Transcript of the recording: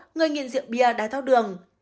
người nghiện rượu bia đai thao đường